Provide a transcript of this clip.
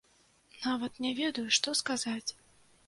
Нават не ведаю, што сказаць!